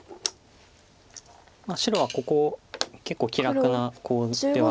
白はここ結構気楽なコウでは。